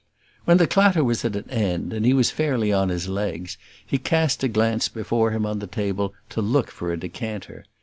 When the clatter was at an end, and he was fairly on his legs, he cast a glance before him on the table, to look for a decanter.